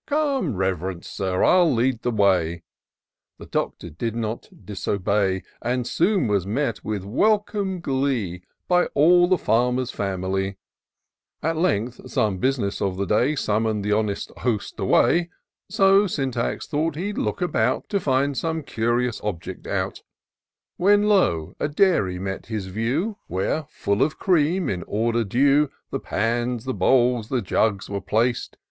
Come, rev'rend Sir, I'll lead the way :" The Doctor did not disobey, And soon was met with welcome glee By all the Farmer's family. \ 204 TOUR OF DOCTOR SYNTAX At length, some bus'ness of the day Summoned the honest host away ; So Syntax thought he'd look about, To find some curious object out : When lo ! a dairy met his view, Where, full of cream, in order due. The pans, the bowls, the jugs were plac'd.